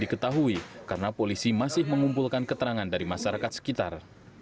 diketahui karena polisi masih mengumpulkan keterangan dari masyarakat sekitar